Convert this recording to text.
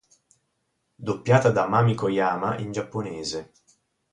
Doppiata da Mami Koyama in giapponese.